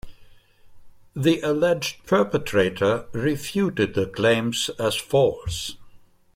The alleged perpetrator refuted the claims as false.